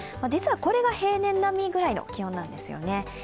実はこれが平年並みくらいの気温なんですよね。